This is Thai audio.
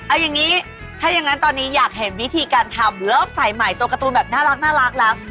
เอาอย่างนี้ถ้าอย่างนั้นตอนนี้อยากเห็นวิธีการทำแล้วใส่ใหม่ตัวการ์ตูนแบบน่ารักแล้ว